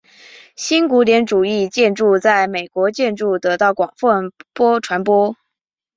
新古典主义建筑在美国建筑得到广泛传播。